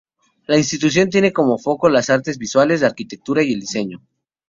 La institución tiene como foco las artes visuales, la arquitectura y el diseño.